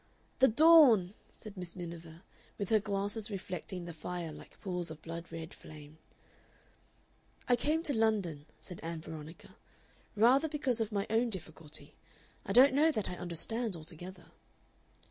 "The dawn!" said Miss Miniver, with her glasses reflecting the fire like pools of blood red flame. "I came to London," said Ann Veronica, "rather because of my own difficulty. I don't know that I understand altogether."